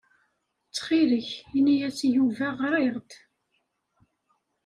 Ttxil-k, ini-as i Yuba ɣriɣ-d.